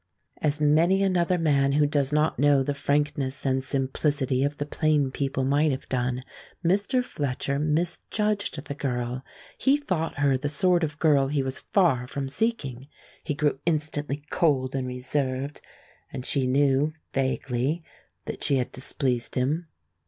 As many another man who does not know the frankness and simplicity of the plain people might have done, Mr. Fletcher misjudged the girl. He thought her the sort of girl he was far from seeking. He grew instantly cold and reserved, and she knew, vaguely, that she had displeased him.